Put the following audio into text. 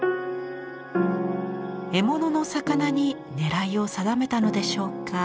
獲物の魚に狙いを定めたのでしょうか。